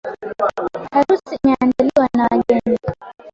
Harusi imeandaliwa na wageni.